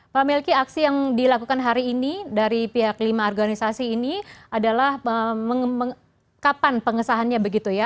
pak melki aksi yang dilakukan hari ini dari pihak lima organisasi ini adalah kapan pengesahannya begitu ya